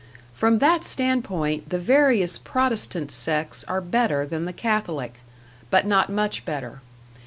From that standpoint the various Protestant sects are better than the Catholic, but not much better.